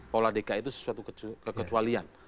pola dki itu sesuatu kekecualian